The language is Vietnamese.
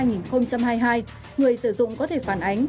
người sử dụng có thể phản ánh